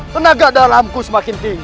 tenaga dalamku semakin tinggi